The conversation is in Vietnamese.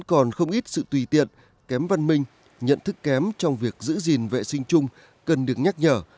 còn không ít sự tùy tiện kém văn minh nhận thức kém trong việc giữ gìn vệ sinh chung cần được nhắc nhở